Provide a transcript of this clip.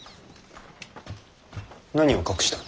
何を隠した？